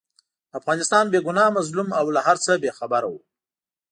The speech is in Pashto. افغانستان بې ګناه، مظلوم او له هرڅه بې خبره وو.